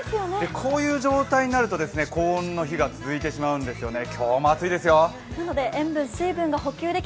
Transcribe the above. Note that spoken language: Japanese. こういう状態になると高温の日が続いてしまうんですよね。